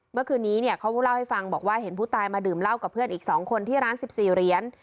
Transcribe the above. เมื่อคืนนี้เนี่ยเขาเล่าให้ฟังบอกว่าเห็นผู้ตายมาดื่มเหล้ากับเพื่อนอีก๒คนที่ร้าน๑๔เหรียญ